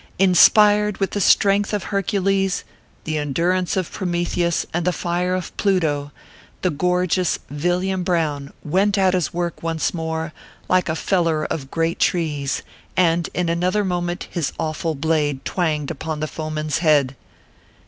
Inspired with the strength of Hercules, the endurance of Prometheus, and the fire of Pluto, the gorgeous Villiam Brown went at his work once more, like a feller of great trees, arid in another mo ment his awful blade twanged upon the foeman s head.